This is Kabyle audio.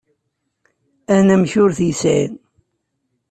Anamek ur t-yesɛi.